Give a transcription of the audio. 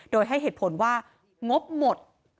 โดยให้เหตุผลว่างบหมด